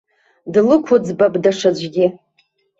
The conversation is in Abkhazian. Длықәыӡбап даҽаӡәгьы.